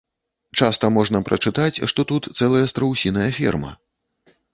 Часта можна прачытаць, што тут цэлая страусіная ферма.